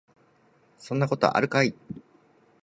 そんなことあるかい